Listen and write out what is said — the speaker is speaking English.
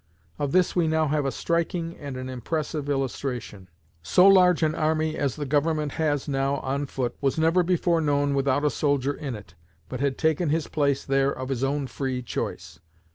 Of this we now have a striking and an impressive illustration. So large an army as the Government has now on foot was never before known without a soldier in it but had taken his place there of his own free choice.